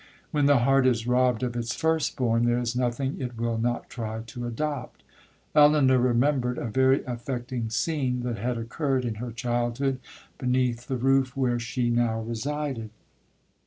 When the heart is robbed of its first born, there is nothing it will not try to adopt. Elinor remembered a very affecting scene that had occurred in her childhood, beneath the roof where she now resided.